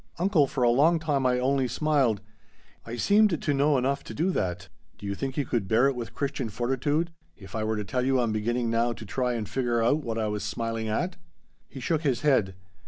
"Uncle, for a long time I only smiled. I seemed to know enough to do that. Do you think you could bear it with Christian fortitude if I were to tell you I'm beginning now to try and figure out what I was smiling at?" He shook his head.